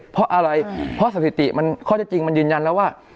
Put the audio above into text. เพราะอะไรเพราะสถิติมันข้อเท็จจริงมันยืนยันแล้วว่า